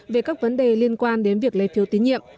về các vấn đề liên quan đến việc lấy phiếu tín nhiệm